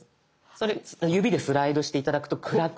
それ指でスライドして頂くと暗くしたり。